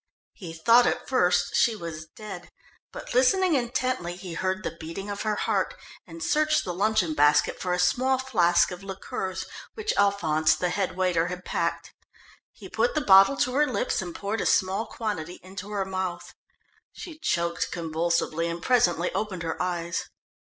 He thought at first she was dead, but listening intently he heard the beating of her heart, and searched the luncheon basket for a small flask of liqueurs, which Alphonse, the head waiter, had packed. He put the bottle to her lips and poured a small quantity into her mouth. She choked convulsively, and presently opened her eyes.